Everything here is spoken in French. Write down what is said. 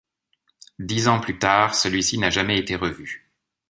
Dix ans plus tard, celui-ci n'a jamais été revu.